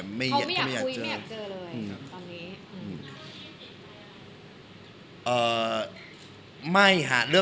ใจแขกตอนนี้ก็ยังไม่พร้อมจะเจอ